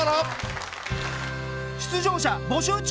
出場者募集中！